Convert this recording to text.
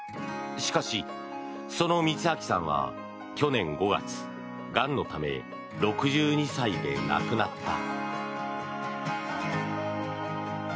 しかし、その充哲さんは去年５月がんのため６２歳で亡くなった。